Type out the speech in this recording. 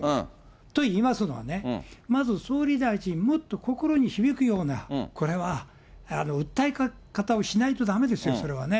といいますのはね、まず総理大臣、もっと心に響くような、これは訴え方をしないとだめですよ、それはね。